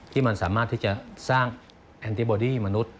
ที่มันสามารถที่จะสร้างแอนติบอดี้มนุษย